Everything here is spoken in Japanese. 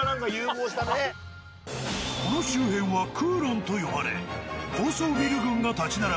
この周辺は九龍と呼ばれ高層ビル群が立ち並ぶ